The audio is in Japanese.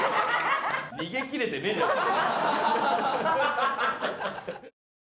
逃げきれてねえじゃねえか。